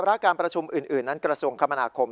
กำลังประชุมอื่นนั้นกระทรวงคม๒๐๒๑